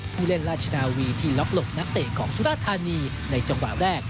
ผู้เล่นราชนาวีที่ล็อกหลบนักเตะของสุราธานีในจังหวะแรก